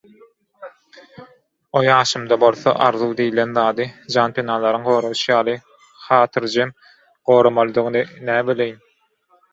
O ýaşymda bolsa arzuw diýlen zady, janpenalaryň goraýşy ýaly, hatyrjem goramalydygyny näbileýin?!